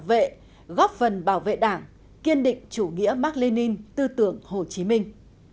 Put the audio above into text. đảng phục vệ góp phần bảo vệ đảng kiên định chủ nghĩa mark lenin tư tưởng hồ chí minh